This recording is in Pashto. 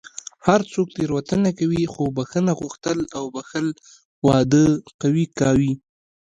هر څوک تېروتنه کوي، خو بښنه غوښتل او بښل واده قوي کوي.